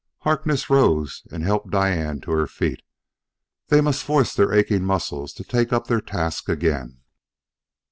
Harkness rose and helped Diane to her feet: they must force their aching muscles to take up their task again.